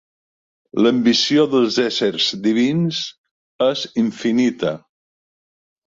L'ambició dels éssers divins és infinita.